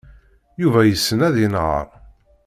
Yuba yessen ad yenheṛ.